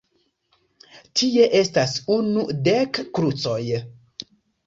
Tie estas unu-dek krucoj.